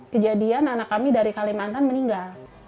kejadian anak kami dari kalimantan meninggal